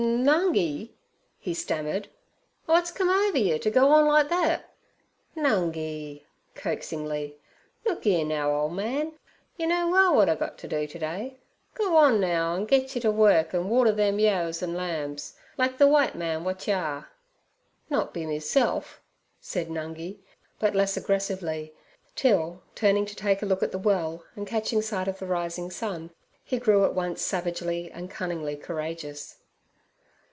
'N N Nungi,' he stammered, 'w'ats come over yer ter go orn like thet? Nungi,' coaxingly, 'look 'ere now, ole man, yer know well w'at I gut ter do ter day. Go orn now an' get ter yer work an' water them yeos an' lambs, like ther w'ite man w'at yer are. 'Not be meself,' said Nungi, but less aggressively, till, turning to take a look at the well, and catching sight of the rising sun, he grew at once savagely and cunningly courageous.